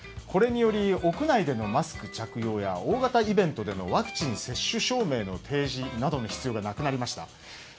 これにより屋内のマスク着用や大型イベントでのワクチン接種証明の提示などの必要がなくなりました。